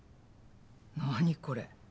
何これ。